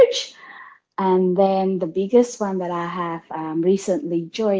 dan yang paling besar yang saya telah sertai